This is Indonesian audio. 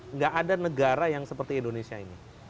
nggak ada negara yang seperti indonesia ini